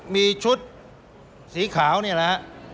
มีชุดสีขาวนี่แหละฮะ